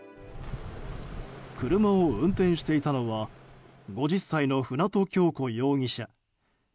車を運転していたのは５０歳の舟渡今日子容疑者。